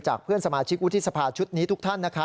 จากเพื่อนสมาชิกอุทธิสภาพชุดนี้ทุกท่านนะคะ